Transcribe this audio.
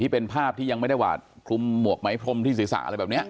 เป็นภาพที่ยังไม่ได้หวาดคลุมหมวกไหมพรมที่ศีรษะอะไรแบบนี้